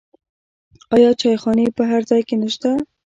آیا چایخانې په هر ځای کې نشته؟